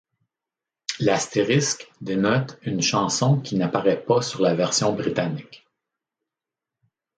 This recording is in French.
L'astérisque dénote une chanson qui n’apparaît pas sur la version britannique.